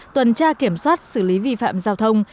tuần tra kiểm soát xử lý vi phạm giao thông